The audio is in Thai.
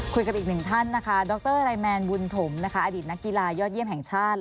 อีกหนึ่งท่านนะคะดรไลแมนบุญถมนะคะอดีตนักกีฬายอดเยี่ยมแห่งชาติ